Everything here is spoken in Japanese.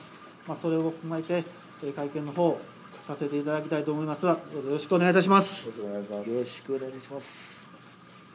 それを踏まえて、会見のほうをさせていただきたいと思いますが、どうぞよろしくおよろしくお願いいたします。